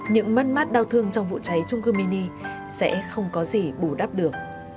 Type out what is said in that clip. những mất mát đau thương trong vụ cháy trung cư mini sẽ không có gì bù đắp được